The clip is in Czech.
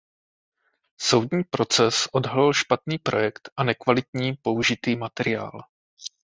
Soudní proces odhalil špatný projekt a nekvalitní použitý materiál.